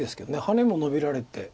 ハネもノビられて。